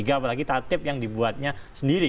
apalagi tatip yang dibuatnya sendiri